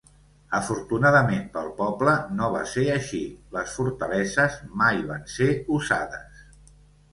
Afortunadament pel poble, no va ser així, les fortaleses mai van ser usades.